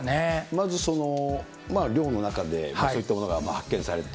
まず、寮の中でそういったものが発見された。